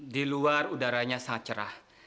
di luar udaranya sangat cerah